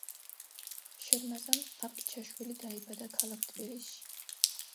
შერმაზან ყაყიჩაშვილი დაიბადა ქალაქ თბილისში.